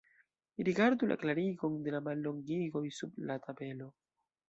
Rigardu la klarigon de la mallongigoj sub la tabelo.